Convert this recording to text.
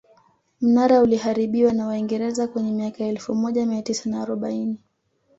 Mnara uliharibiwa na waingereza kwenye miaka ya elfu moja mia tisa na arobaini